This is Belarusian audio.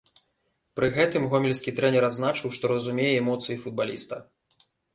Пры гэтым гомельскі трэнер адзначыў, што разумее эмоцыі футбаліста.